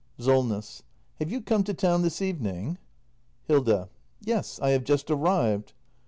Solness. Have you come to town this evening? Hilda. Yes, I have just arrived.